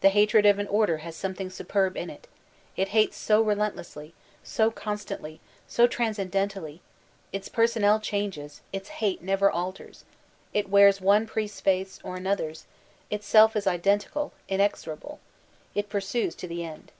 The hatred of an order has some thing superb in it, — ^it hates so relentlessly, so constantly, so transcendently ; its personnel changes, its hate never alters; it wears one priest's face or another's; itself is identical, inexorable; it pursues to the end.